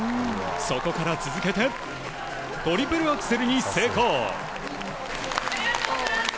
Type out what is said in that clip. そこから続けてトリプルアクセルに成功。